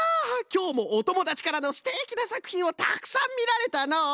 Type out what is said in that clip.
きょうもおともだちからのすてきなさくひんをたくさんみられたのう！